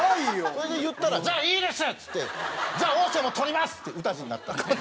それで言ったら「じゃあいいです！」っつって「じゃあ“大瀬”も取ります」って「うたじ」になったっていう。